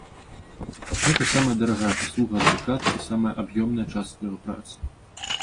Гэта самая дарагая паслуга адваката і самая аб'ёмная частка яго працы.